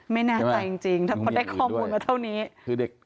ไม่น่าใจจริงถ้าพอได้ข้อมูลมาเท่านี้